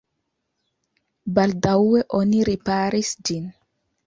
Baldaŭe oni riparis ĝin.